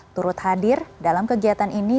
turut hadir dalam kegiatan ini